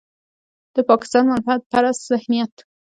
د پاکستان منفعت پرست ذهنيت.